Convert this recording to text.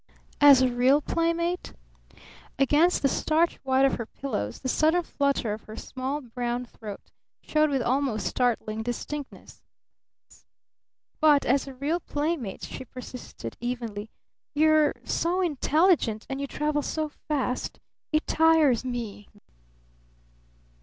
"As a real playmate?" Against the starch white of her pillows the sudden flutter of her small brown throat showed with almost startling distinctness. "But as a real playmate," she persisted evenly, "you are so intelligent and you travel so fast it tires me."